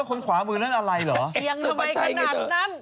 คนขวามือมีอะไรเหรอ